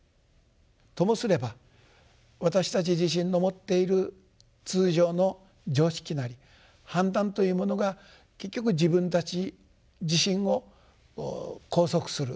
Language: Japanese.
ともすれば私たち自身の持っている通常の常識なり判断というものが結局自分たち自身を拘束する。